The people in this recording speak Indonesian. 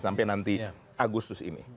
sampai nanti agustus ini